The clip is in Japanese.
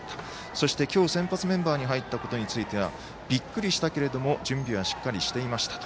そして今日先発メンバーに入ったことについてはびっくりしたけれども準備はしっかりしていましたと。